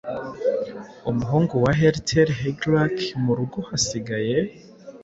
Umuhungu wa Hrethel Higelac murugo hasigaye